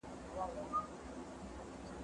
زه پرون د کتابتون لپاره کار کوم!؟